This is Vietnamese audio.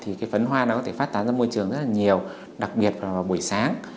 thì phấn hoa có thể phát tán ra môi trường rất là nhiều đặc biệt vào buổi sáng